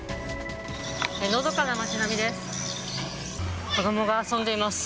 のどかな町並みです。